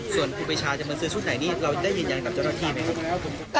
ส่วนครูปีชาจะมาซื้อชุดไหนนี่เราได้ยืนยันกับเจ้าหน้าที่ไหมครับ